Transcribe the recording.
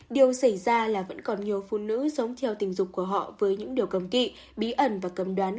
điều xảy ra là vẫn còn nhiều phụ nữ giống theo tình dục của họ với những điều cầm kỵ bí ẩn và cầm đoán